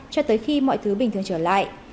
cho tới khi mọi thứ bình thường trở lại